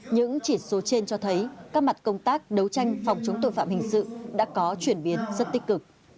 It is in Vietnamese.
những chỉ số trên cho thấy các mặt công tác đấu tranh phòng chống tội phạm hình sự đã có chuyển biến rất tích cực